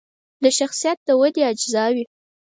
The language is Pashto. د شخصیت د ودې اجزاوې